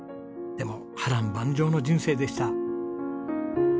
でも波瀾万丈の人生でした。